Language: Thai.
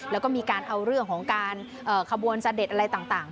แล้วก็มีการเอาเรื่องของการขบวนเสด็จอะไรต่าง